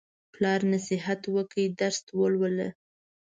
پلار نصیحت وکړ: درس ولوله.